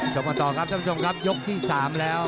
กันต่อครับท่านผู้ชมครับยกที่๓แล้ว